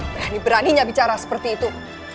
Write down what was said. berani beraninya bicara seperti itu